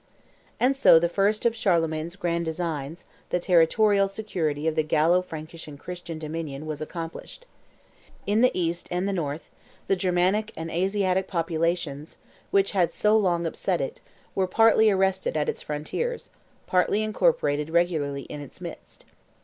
And so the first of Charlemagne's grand designs, the territorial security of the Gallo Frankish and Christian dominion, was accomplished. In the east and the north, the Germanic and Asiatic populations, which had so long upset it, were partly arrested at its frontiers, partly incorporated regularly in its midst.